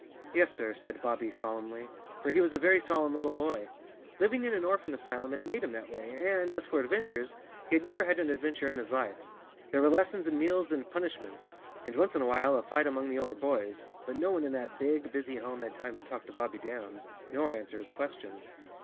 "Yes, sir," said Bobbie solemnly, for he was a very solemn little boy. Living in an orphan asylum had made him that way and, as for adventures, he had never The Cowardly Lion of Oz had an adventure in his life. There were lessons and meals and punishments, and once in a while a fight among the older boys, but no one in that big, busy home had time to talk to Bobbie Downs, nor answer his questions.